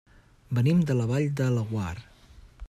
Venim de la Vall de Laguar.